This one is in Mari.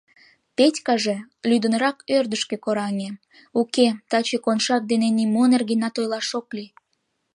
Петькаже лӱдынрак ӧрдыжкӧ кораҥе: уке, таче Коншак дене нимо нергенат ойлаш ок лий.